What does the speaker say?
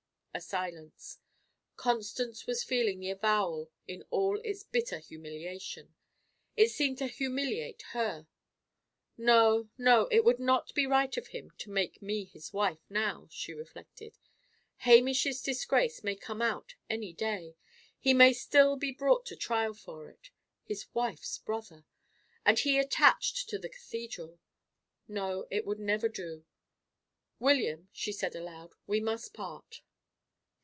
A silence. Constance was feeling the avowal in all its bitter humiliation. It seemed to humiliate her. "No, no; it would not be right of him to make me his wife now," she reflected. "Hamish's disgrace may come out any day; he may still be brought to trial for it. His wife's brother! and he attached to the cathedral. No, it would never do. William," she said, aloud, "we must part."